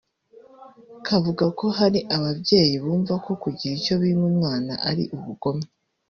kavuga ko hari ababyeyi bumva ko kugira icyo bima umwana ari ubugome